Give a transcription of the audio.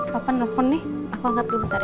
papa nelfon nih aku angkat dulu bentar ya